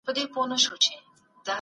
د سولي راوستل یوازینۍ لار ده.